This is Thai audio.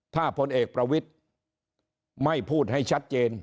ถ้าพลเอกประวิทธิ์ไม่พูดให้ชัดเจน